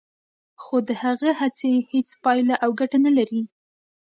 خو د هغه هڅې هیڅ پایله او ګټه نه لري